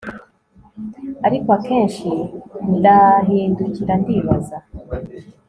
ariko akenshi ndahindukira ndibaza